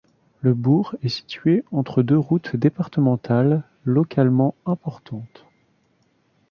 Le bourg est situé entre deux routes départementales localement importantes.